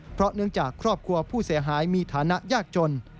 เพราะเนื่องจากครอบครัวผู้เสียหายมีฐานะยากจน